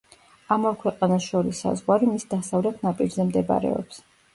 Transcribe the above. ამ ორ ქვეყანას შორის საზღვარი მის დასავლეთ ნაპირზე მდებარეობს.